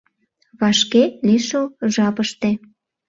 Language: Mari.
— Вашке, лишыл жапыште...